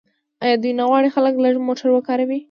آیا دوی نه غواړي خلک لږ موټر وکاروي؟